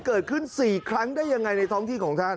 เกิดขึ้น๔ครั้งได้ยังไงในท้องที่ของท่าน